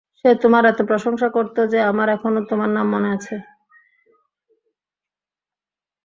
সে তোমার এতো প্রশংসা করত যে আমার এখনও তোমার নাম মনে আছে।